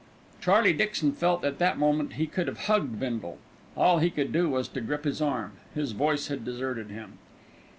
Charlie Dixon felt that at that moment he could have hugged Bindle. All he could do was to grip his arm. His voice had deserted him.